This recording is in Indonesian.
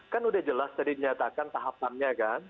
kan udah jelas tadi dinyatakan tahapannya kan